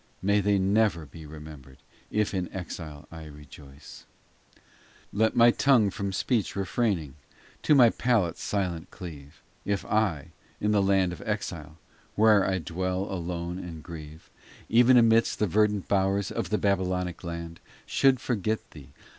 May they never be remembered If in exile I rejoice ! XI Let my tongue from speech refraining, To my palate silent cleave ; If I, in the land of exile, Where I dwell alone and grieve, XII Even amidst the verdant bowers Of the Babylonic land Should forget thee.